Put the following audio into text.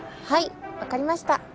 はい分かりました！